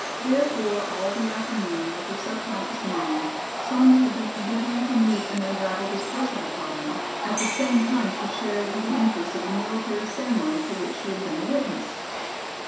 Therefore, all the afternoon, with her subconscious mind Sonya had been endeavoring to meet and unravel this personal problem, at the same time she shared in the interest of the military ceremony to which she had been a witness.